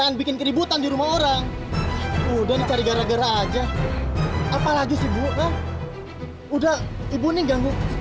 sampai jumpa di video selanjutnya